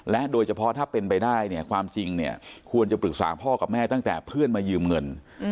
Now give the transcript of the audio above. โดยเฉพาะถ้าเป็นไปได้เนี่ยความจริงเนี่ยควรจะปรึกษาพ่อกับแม่ตั้งแต่เพื่อนมายืมเงิน